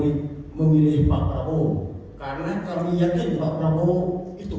lagi kenapa kami memilih memilih pak prabowo karena kami yakin pak prabowo itu